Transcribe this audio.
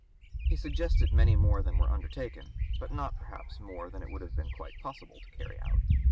He suggested many more than were undertaken, but not perhaps more than it would have been quite possible to carry out.